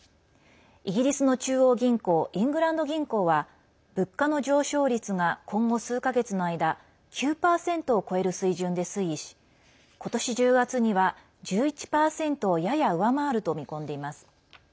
イギリスの中央銀行イングランド銀行は物価の上昇率が今後数か月の間９％を超える水準で推移しことし１０月には１１％をやや上回ると見込んでいます。